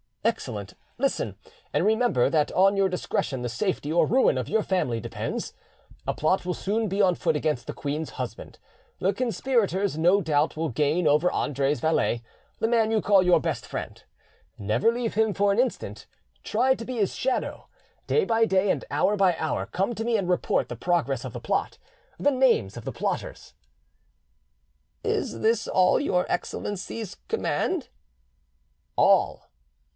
"Excellent. Listen, and remember that on your discretion the safety or ruin of your family depends. A plot will soon be on foot against the queen's husband; the conspirators no doubt will gain over Andre's valet, the man you call your best friend; never leave him for an instant, try to be his shadow; day by day and hour by hour come to me and report the progress of the plot, the names of the plotters." "Is this all your Excellency's command?" "All."